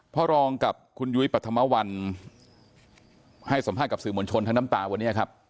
พ่อรองกับคุณยุ้ยปรัฐมวัลให้สัมภาษณ์กับสื่อมวลชนทั้งน้ำตาวันนี้ครับ